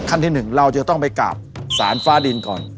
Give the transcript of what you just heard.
ขั้นที่๑เราจะต้องไปกราบสารฟ้าดินก่อน